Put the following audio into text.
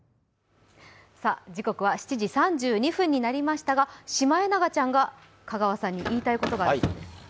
時刻は７時３２分になりましたが、シマエナガちゃんが香川さんんい言いたいことがあるそうです。